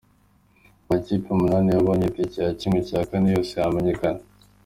Amakipe umunani yabonye tike ya kimwe cyakane yose yamenyekananye